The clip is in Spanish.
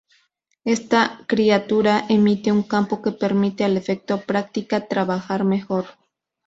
Esta criatura emite un campo que permite al efecto práctica trabajar mejor.